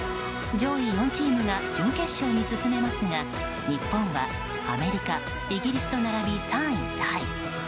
上位４チームが準決勝に進めますが日本はアメリカ、イギリスと並び３位タイ。